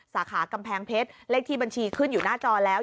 สาขากำแพงเพชรเลขที่บัญชีขึ้นอยู่หน้าจอแล้ว